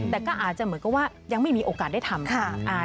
แต่ก็อาจจะเหมือนกับว่ายังไม่มีโอกาสได้ทำ